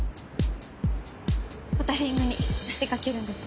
ポタリングに出かけるんです。